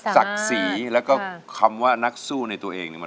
สักษีและคำว่านักสู้ในตัวเองมันไม่มี